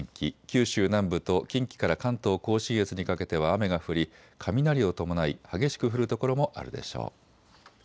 九州南部と近畿から関東甲信越にかけては雨が降り雷を伴い激しく降る所もあるでしょう。